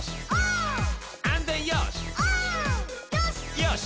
「よし！」